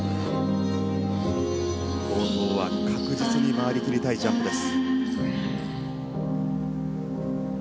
冒頭は確実に回り切りたいジャンプです。